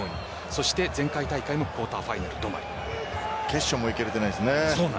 そして前回大会もクオーターファイナル止まり。